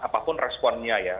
apapun responnya ya